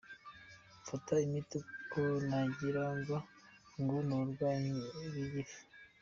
Mfata imiti kuko nagiraga ngo ni uburwayi bw’igifu.